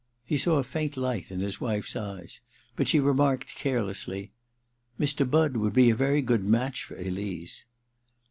He saw a faint light in his wife's eyes ; but she remarked carelessly :* Mr. Budd would be a very good match for Elise.'